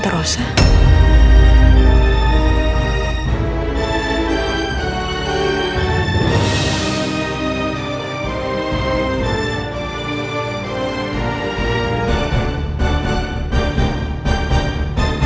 semoga dia suka